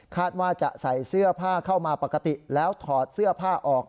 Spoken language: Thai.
ว่าจะใส่เสื้อผ้าเข้ามาปกติแล้วถอดเสื้อผ้าออก